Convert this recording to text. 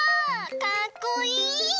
かっこいい！